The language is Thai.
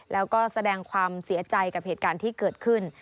แล้วก็แสดงความเสียใจกับเหตุการณ์ที่เกิดขึ้น